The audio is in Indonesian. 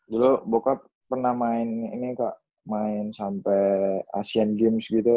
dulu boca pernah main ini kak main sampai asian games gitu